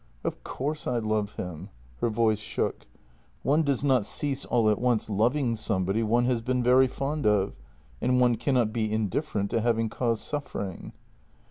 "" Of course I love him." Her voice shook. " One does not cease all at once loving somebody one has been very fond of, and one cannot be indifferent to having caused suffering."